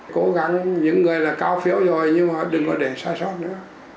cố gắng những người là cao phiếu rồi nhưng mà đừng có để sai sót nữa